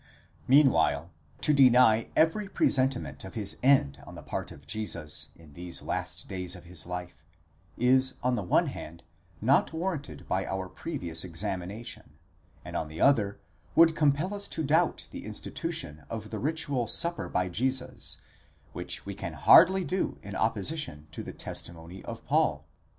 Meanwhile, to deny every presentiment of his end on the part of Jesus in these last days of his life, is on the one hand, not warranted by our previous examination ; and on the other, would compel us to doubt the institution of the ritual Supper by Jesus, which we can hardly do in opposition to the testi mony of Paul.